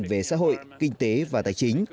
về xã hội kinh tế và tài chính